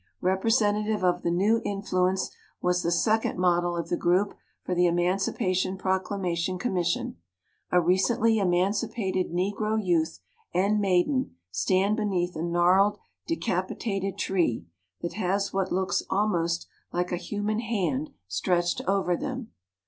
Repre sentative of the new influence was the sec ond model of the group for the Emancipa tion Proclamation Commission. A recently emancipated Negro youth and maiden stand beneath a gnarled, decapitated tree that has what looks almost like a human hand META WARRICK FULLER 67 stretched over them.